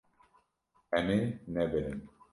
Em ê nebirin.